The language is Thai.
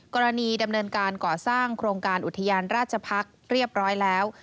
กรณีดำเนินการก่อสร้างโครงการอุทยานราชพักษ์เรียบร้อยแล้ว